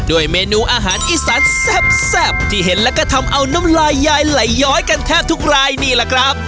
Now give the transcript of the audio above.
เมนูอาหารอีสานแซ่บที่เห็นแล้วก็ทำเอาน้ำลายยายไหลย้อยกันแทบทุกรายนี่แหละครับ